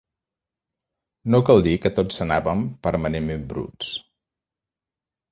No cal dir que tots anàvem permanentment bruts.